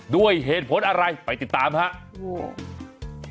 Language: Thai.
ด้วยเหตุผลอะไรไปติดตามครับ